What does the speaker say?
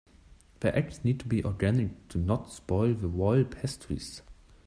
The eggs need to be organic to not spoil the royal pastries.